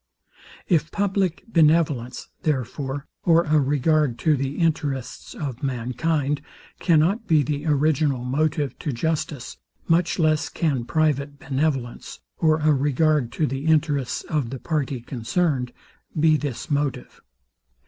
If public benevolence, therefore, or a regard to the interests of mankind, cannot be the original motive to justice, much less can private benevolence, or a regard to the interests of the party concerned, be this motive.